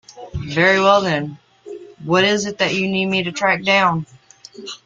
Very well then, what is it that you need me to track down?